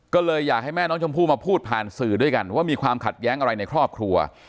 ก็เลยอยากให้แม่น้องชมพู่มาพูดผ่านสื่อด้วยกันว่ามีความขัดแย้งอะไรในครอบครัว